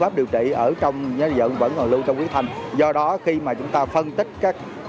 pháp điều trị ở trong nhớ dẫn vẫn còn lưu trong huyết thanh do đó khi mà chúng ta phân tích các